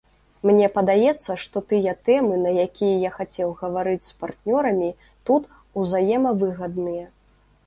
Мне падаецца, што тыя тэмы, на якія я хацеў гаварыць з партнёрамі тут, узаемавыгадныя.